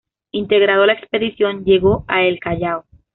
Integrado a la expedición, llegó a El Callao.